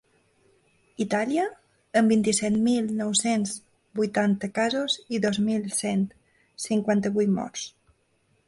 Itàlia, amb vint-i-set mil nou-cents vuitanta casos i dos mil cent cinquanta-vuit morts.